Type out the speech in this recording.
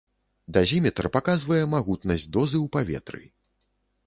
Дазіметр паказвае магутнасць дозы ў паветры.